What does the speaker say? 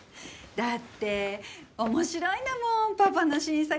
だって面白いんだもんパパの新作。